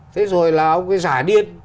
thế rồi là ông ấy giả điên